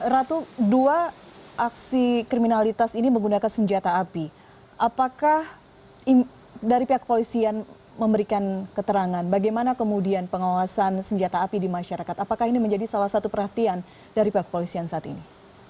ratu dua aksi kriminalitas ini menggunakan senjata api apakah dari pihak polisian memberikan keterangan bagaimana kemudian pengawasan senjata api di masyarakat apakah ini menjadi salah satu perhatian dari pihak kepolisian saat ini